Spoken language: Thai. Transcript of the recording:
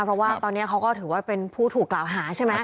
เพราะว่าตอนนี้เขาก็ถือว่าเป็นผู้ถูกกล่าวหาใช่ไหม